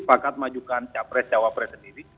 sepakat majukan capres cawapres sendiri